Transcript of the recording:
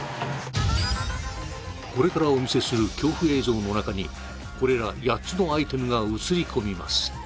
これからお見せする恐怖映像の中にこれら８つのアイテムが映り込みます